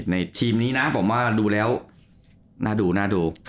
ในทีมนี้นะผมว่าดูแล้วน่าดู